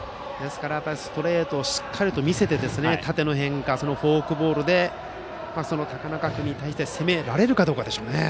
ストレートをしっかりと見せて縦の変化、フォークボールで高中君に対して攻められるかどうかでしょうね。